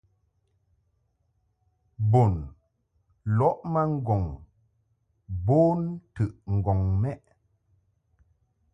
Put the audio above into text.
Bun lɔʼ ma ŋgɔŋ bon ntəʼŋgɔŋ mɛʼ.